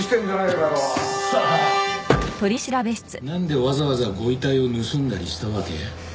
なんでわざわざご遺体を盗んだりしたわけ？